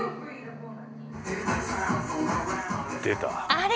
あれ？